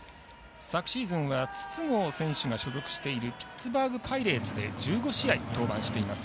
昨シーズンは、筒香選手が所属しているピッツバーグ・パイレーツで１５試合登板しています。